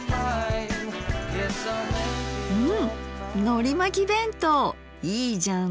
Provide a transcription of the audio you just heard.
うんのりまき弁当いいじゃん。